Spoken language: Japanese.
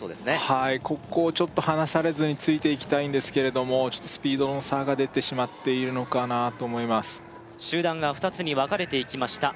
はいここをちょっと離されずについていきたいんですけれどもスピードの差が出てしまっているのかなと思います集団が２つに分かれていきました